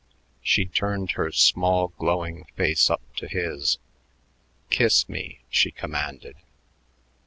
She turned her small, glowing face up to his. "Kiss me," she commanded.